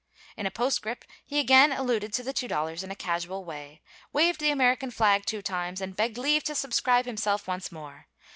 In a postscript he again alluded to the $2 in a casual way, waved the American flag two times, and begged leave to subscribe himself once more.